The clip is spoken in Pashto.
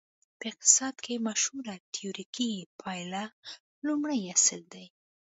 په اقتصاد کې مشهوره تیوریکي پایله لومړی اصل دی.